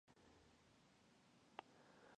کانت وویل له ځان سره به مې ویل چې څومره عمر ډیریږي.